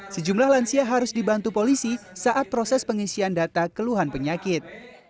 sejumlah lansia harus dibantu polisi saat proses pengisian data keluhan penyakit